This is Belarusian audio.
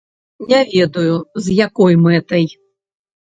Не ведаю, з якой мэтай.